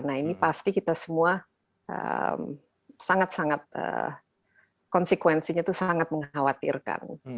nah ini pasti kita semua sangat sangat konsekuensinya itu sangat mengkhawatirkan